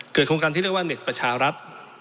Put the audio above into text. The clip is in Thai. โครงการที่เรียกว่าเน็ตประชารัฐ